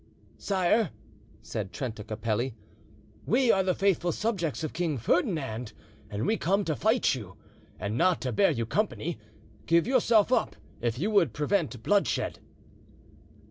"Sire," said Trenta Capelli, "we are the faithful subjects of King Ferdinand, and we come to fight you, and not to bear you company. Give yourself up, if you would prevent bloodshed."